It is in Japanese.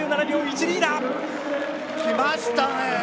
３７秒１２。